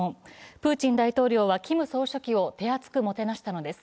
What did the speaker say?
プーチン大統領はキム総書記を手厚くもてなしたのです。